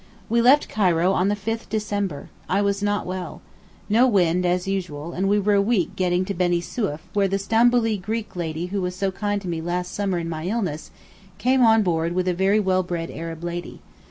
We left Cairo on the 5th Decr. I was not well. No wind as usual, and we were a week getting to Benisonef where the Stamboolee Greek lady who was so kind to me last summer in my illness came on board with a very well bred Arab lady.